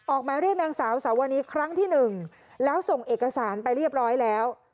ออกมาเรียกนางสาวสาวนีครั้งที่หนึ่งแล้วส่งเอกสารไปเรียบร้อยแล้ว